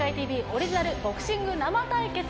オリジナルボクシング生対決。